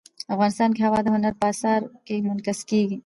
افغانستان کې هوا د هنر په اثار کې منعکس کېږي.